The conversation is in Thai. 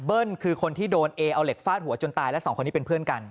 คือคนที่โดนเอเอาเหล็กฟาดหัวจนตายและสองคนนี้เป็นเพื่อนกัน